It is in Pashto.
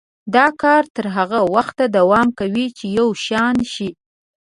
دا کار تر هغه وخته دوام کوي چې یو شان شي.